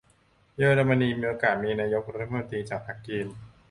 เยอรมนีมีโอกาสมีนายกรัฐมนตรีจากพรรคกรีน ?